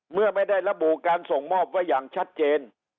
เมื่อไม่ได้ระบุการส่งมอบไว้อย่างชัดเจน